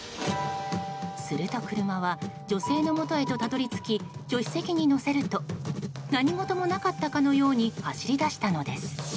すると車は女性のもとへとたどり着き助手席に乗せると何事もなかったかのように走り出したのです。